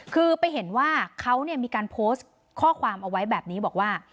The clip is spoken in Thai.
คือไปเห็นว่าเขามีการโพสต์ข้อความเอาไว้แบบนี้บอกว่า